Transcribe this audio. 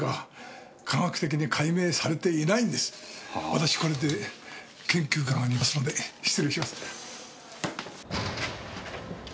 私これで研究会がありますので失礼します。